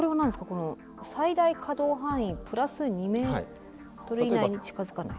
この「最大可動範囲＋２ｍ以内に近づかない」。